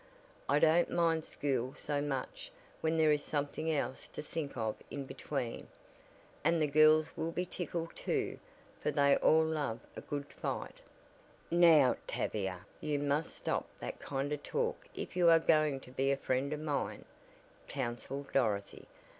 "I don't mind school so much when there is something else to think of in between. And the girls will be tickled too, for they all love a good fight." "Now, Tavia, you must stop that kind of talk if you are going to be a friend of mine," counseled Dorothy.